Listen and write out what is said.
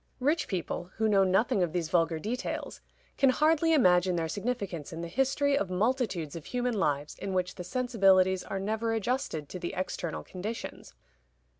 Rich people, who know nothing of these vulgar details, can hardly imagine their significance in the history of multitudes of human lives in which the sensibilities are never adjusted to the external conditions.